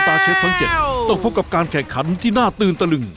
เชฟทั้ง๗ต้องพบกับการแข่งขันที่น่าตื่นตะลึง